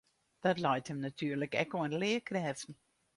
Dat leit him natuerlik ek oan de learkrêften.